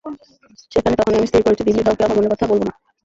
সেখানে তখনই আমি স্থির করেছি, দিল্লির কাউকে আমার মনের কথা বলবো না।